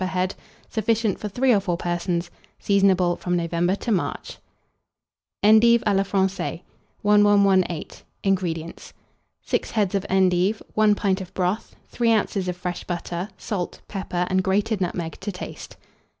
per head. Sufficient for 3 or 4 persons. Seasonable from November to March. ENDIVE A LA FRANCAISE. 1118. INGREDIENTS. 6 heads of endive, 1 pint of broth, 3 oz. of fresh butter; salt, pepper, and grated nutmeg to taste.